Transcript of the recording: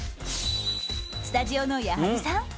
スタジオの矢作さん